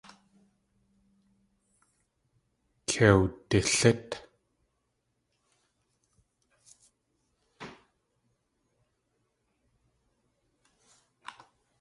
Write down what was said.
Kei wdilít.